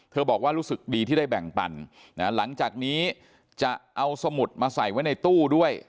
บอกว่ารู้สึกดีที่ได้แบ่งปันหลังจากนี้จะเอาสมุดมาใส่ไว้ในตู้ด้วย